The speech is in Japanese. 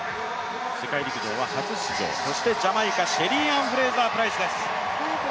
世界陸上は初出場、そしてジャマイカ、シェリーアン・フレイザープライスです。